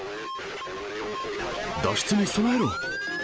脱出に備えろ！